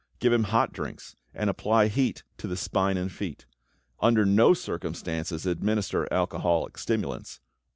Give him hot drinks, and apply heat to the spine and feet. Under no circumstances administer alcoholic stimulants.